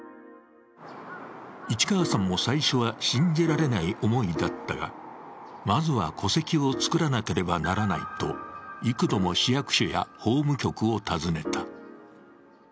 市川さんも、最初は信じられない思いだったがまずは戸籍を作らなければならないと幾度も市役所や法務局を訪ねた。